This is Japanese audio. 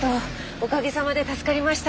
おかげさまで助かりました。